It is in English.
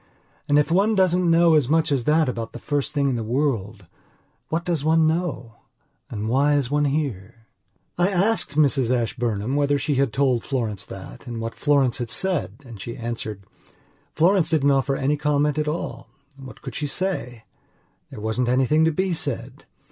And, if one doesn't know as much as that about the first thing in the world, what does one know and why is one here? I asked Mrs Ashburnham whether she had told Florence that and what Florence had said and she answered:"Florence didn't offer any comment at all. What could she say? There wasn't anything to be said.